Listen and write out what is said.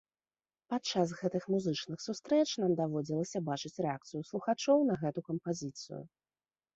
Падчас гэтых музычных сустрэч нам даводзілася бачыць рэакцыю слухачоў на гэту кампазіцыю.